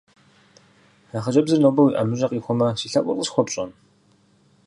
А хъыджэбзыр нобэ уи ӀэмыщӀэ къихуэмэ, си лъэӀур къысхуэпщӀэн?